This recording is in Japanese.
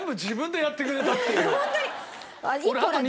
ホントに。